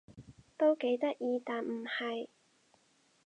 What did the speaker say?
都幾得意但唔係